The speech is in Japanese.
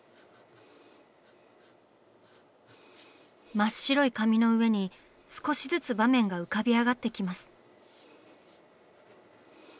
真っ白い紙の上に少しずつ場面が浮かび上がってきます。